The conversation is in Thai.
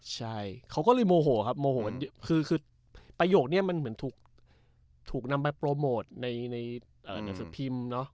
ใช่เขาก็เลยโมโหครับโมโหกันคือประโยคนี้มันเหมือนถูกนำไปโปรโมทในหนังสือพิมพ์เนอะ